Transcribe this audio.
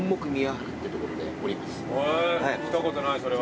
来たことないそれは。